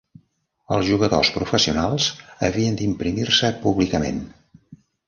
Els jugadors professionals havien d'imprimir-se públicament.